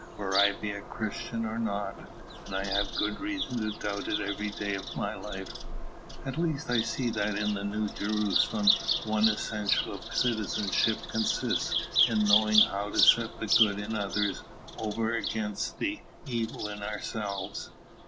Whether I be a Christian or not, and I have good reason to doubt it every day of my life, at least I see that in the New Jerusalem one essential of citizenship consists in knowing how to set the good in others over against the evil in ourselves.